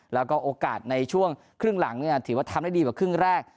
แล้วก็โอกาสในช่วงครึ่งหลังถือว่าทำได้ดีกว่าครึ่งแรก